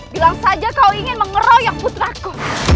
bilang saja kau ingin mengeroyok putraku